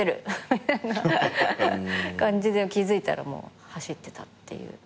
みたいな感じで気付いたらもう走ってたっていう。